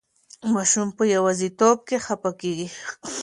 ماشوم په یوازې توب کې خفه کېږي.